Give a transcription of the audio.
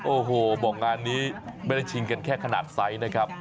โอ้โหบอกงานนี้ไม่ได้ชิงกันแค่ขนาดไซส์นะครับ